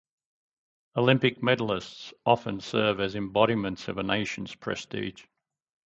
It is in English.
Olympic medalists often serve as embodiments of a nation's prestige.